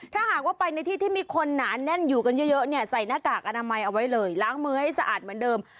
ถ้าหากว่าไปในที่ที่มีคนหนาแน่นอยู่กันเยอะเนี่ยใส่หน้ากากอนามัยเอาไว้เลยล้างมือให้สะอาดเหมือนเดิม